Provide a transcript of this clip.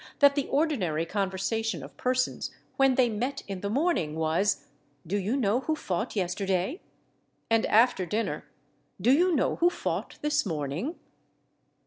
that the ordinary conversation of persons when they met in the morning was, "Do you know who fought yesterday?" and after dinner, "_Do you know who fought this morning?